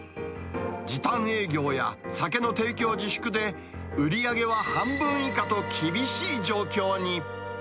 時短営業や酒の提供自粛で、売り上げは半分以下と厳しい状況に。